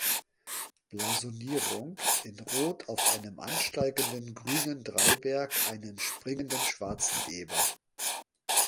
Blasonierung: "In Rot auf einem ansteigenden grünen Dreiberg einen springenden schwarzen Eber.